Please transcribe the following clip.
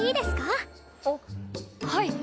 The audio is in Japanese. あっはい。